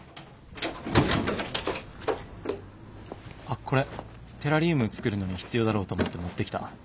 あっこれテラリウム作るのに必要だろうと思って持ってきた。